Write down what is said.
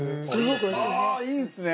いいですね！